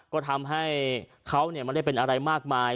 ก็ทำให้เขาไม่ได้เป็นอะไรมากมาย